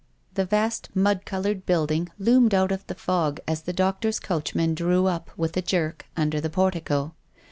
The vast, mud coloured building loomed out of the fog as the doctor's coachman drew up, with a jerk, under the portico.